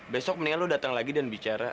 besok mendingan lu datang lagi dan bicara